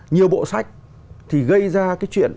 nhiều bộ sách thì gây ra chuyện